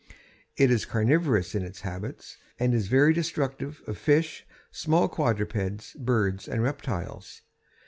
It is carnivorous in its habits, and is very destructive of fish, small quadrupeds, birds, and reptiles.